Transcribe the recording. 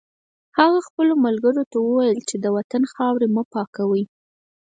هغه خپلو ملګرو ته وویل چې د وطن خاورې مه پاکوئ